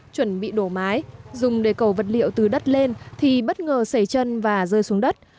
chuẩn bị đổ mái dùng để cầu vật liệu từ đất lên thì bất ngờ xảy chân và rơi xuống đất